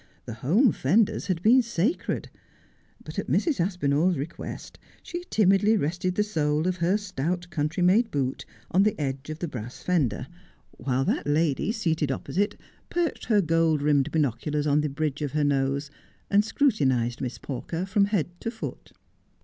The home fenders had been sacred. But at Mrs. Aspinall's request she timidly rested the sole of her stout country made boot on the edge of the brass fender, while that A Superior Woman. G9 lady, seated opposite, perched her gold rimmed binoculars on the bridge of her nose, and scrutinized Miss Pawker from head to foot.